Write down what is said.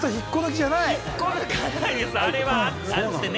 引っこ抜かないです。